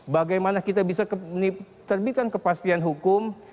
bagaimana kita bisa menitipkan kepastian hukum